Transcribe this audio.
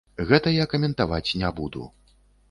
Гэта я каментаваць не буду.